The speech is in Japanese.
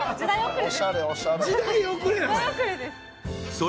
おしゃれおしゃれ。